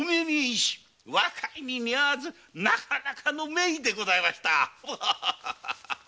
医師は若いに似合わずなかなかの名医でございました。